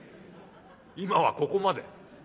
今はここまで。